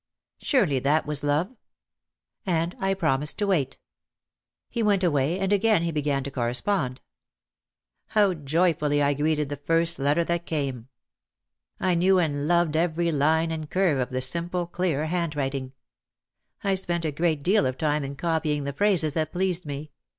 "Surely, that was love." And I promised to wait. He went away and again he began to correspond. How joyfully I greeted the first letter that came! I knew and loved every line and curve of the simple, clear handwriting. I spent a great deal of time in copying the phrases that pleased me.